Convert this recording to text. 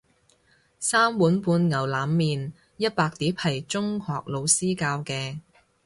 三碗半牛腩麵一百碟係中學老師教嘅